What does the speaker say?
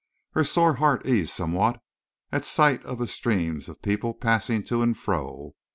Her sore heart eased somewhat at sight of the streams of people passing to and fro.